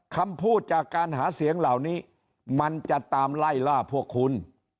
คำพูดจากการหาเสียงเหล่านี้มันจะตามไล่ล่าพวกคุณ